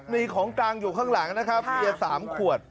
มีของกลางอยู่ข้างหลังนะครับเบียร์๓ขวด